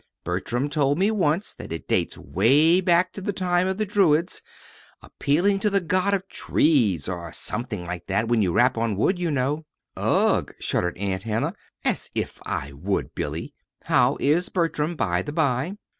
_ Bertram told me once that it dates 'way back to the time of the Druids appealing to the god of trees, or something like that when you rap on wood, you know." "Ugh!" shuddered Aunt Hannah. "As if I would, Billy! How is Bertram, by the by?"